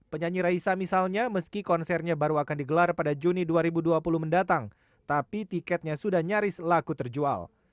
penyanyi raisa misalnya meski konsernya baru akan digelar pada juni dua ribu dua puluh mendatang tapi tiketnya sudah nyaris laku terjual